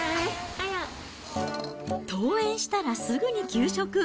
登園したらすぐに給食。